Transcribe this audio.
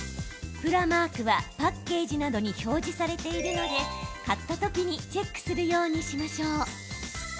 プラマークはパッケージなどに表示されているので買った時にチェックするようにしましょう。